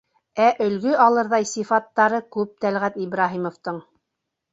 Ә өлгө алырҙай сифаттары күп Тәлғәт Ибраһимовтың.